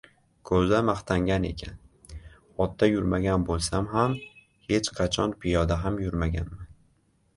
• Ko‘za maqtangan ekan: “Otda yurmagan bo‘lsam ham, hech qachon piyoda ham yurmaganman”.